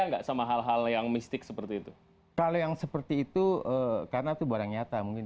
enggak sama hal hal yang mistik seperti itu kalau yang seperti itu karena itu barang nyata mungkin